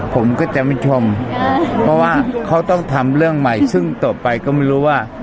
ผมก็จะไม่ชมเพราะว่าเขาต้องทำเรื่องใหม่ซึ่งต่อไปก็ไม่รู้ว่า